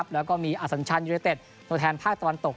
แล้วก็มีอสัญชันยูเนเต็ดตัวแทนภาคตะวันตก